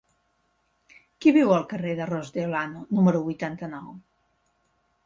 Qui viu al carrer de Ros de Olano número vuitanta-nou?